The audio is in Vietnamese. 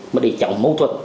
mà để cháu mâu thuẫn